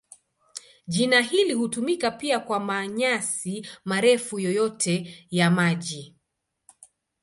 Jina hili hutumika pia kwa manyasi marefu yoyote ya maji.